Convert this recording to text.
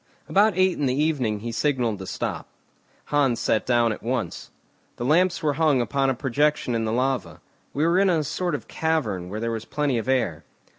About eight in the evening he signalled to stop. Hans sat down at once. The lamps were hung upon a projection in the lava; we were in a sort of cavern where there was plenty of air.